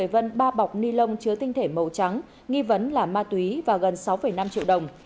vân ba bọc ni lông chứa tinh thể màu trắng nghi vấn là ma túy và gần sáu năm triệu đồng